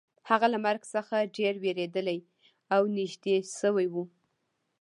هغه له مرګ څخه ډیر ویریدلی او نږدې شوی و